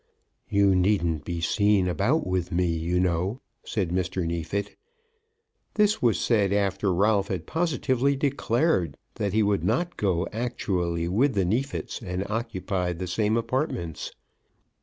"You needn't be seen about with me, you know," said Mr. Neefit. This was said after Ralph had positively declared that he would not go actually with the Neefits and occupy the same apartments.